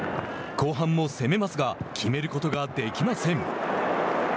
後半も攻めますが決めることができません。